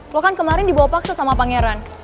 lo kan kemarin dibawa paksa sama pangeran